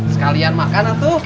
sekalian makan atuk